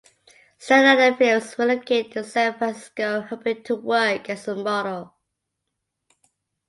Standing at Phillips relocated to San Francisco hoping to work as a model.